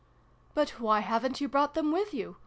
" But why haven't you brought them with you